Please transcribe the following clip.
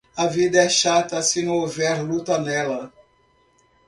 A vida é chata se não houver luta nela.